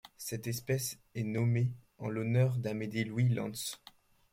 Cette espèce est nommée en l'honneur d'Amédée Louis Lantz.